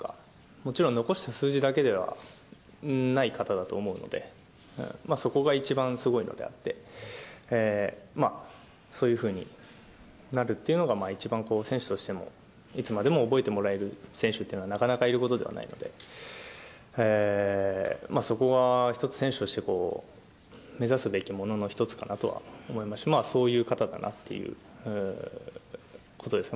もちろん、残した数字だけではない方だと思うので、そこが一番すごいのであって、そういうふうになるっていうのが一番、選手としても、いつまでも覚えてもらえる選手というのはなかなかいることではないので、そこが一つ、千種として目指すべきものの一つかなとは思いますし、そういう方だなということですね。